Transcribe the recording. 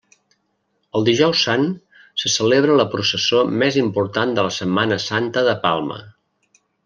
El Dijous Sant se celebra la processó més important de la Setmana Santa de Palma.